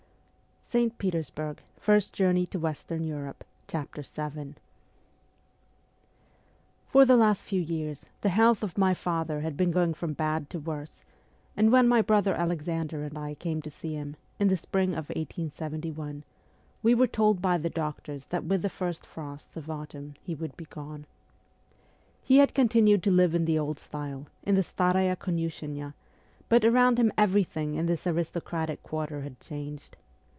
VII FOR the last few years the health of my father had been going from bad to worse, and when my brother Alexander and I came to see him, in the spring of 1871, we were told by the doctors that with the first frosts of autumn he would be gone. He had continued to live in the old style, in the Staraya Komishennaya, but around him everything in this aristocratic quarter had changed.